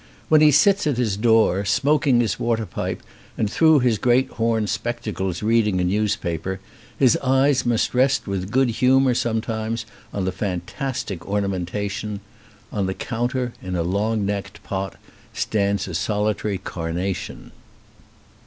When he sits at his door, smoking his water pipe and through his great horn spectacles reading a newspaper, his eyes must rest with good humour sometimes on the fantastic ornamentation. On the counter, in a long necked pot, stands a soli tary carnation.